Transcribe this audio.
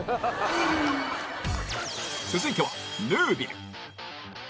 続いては、ヌービル。